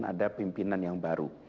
ada pimpinan yang baru